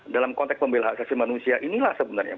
dalam konteks pembela hak asasi manusia inilah sebenarnya